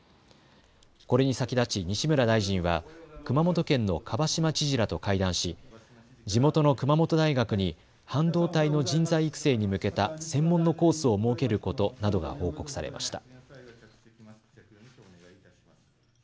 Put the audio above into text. これに先立ち西村大臣は熊本県の蒲島知事らと会談し地元の熊本大学に半導体の人材育成に向けた専門のコースを設けることなどが報告されました。